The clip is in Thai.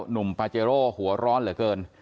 หนุ่มปาเจโร่หัวร้อนเหลือเกิน